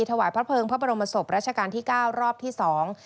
ถวายพระเภิงพระบรมศพรัชกาลที่เก้ารอบที่สอง